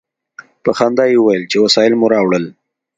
په خندا یې وویل چې وسایل مو راوړل.